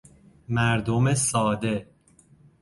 مردم ساده